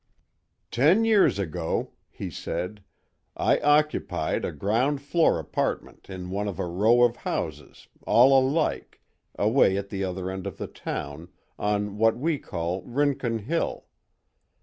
"Ten years ago," he said, "I occupied a ground floor apartment in one of a row of houses, all alike, away at the other end of the town, on what we call Rincon Hill.